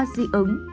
ba dị ứng